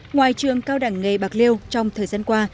ngoài trường cao đẳng nghề bạc liêu trong thời gian qua